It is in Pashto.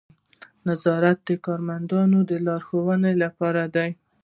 نظارت د کارمندانو د لارښوونې لپاره دی.